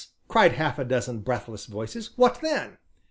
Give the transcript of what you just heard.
cried half a dozen breathless voices, "what then?"